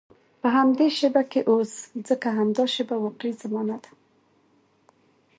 په همدې شېبه کې اوسه، ځکه همدا شېبه واقعي زمانه ده.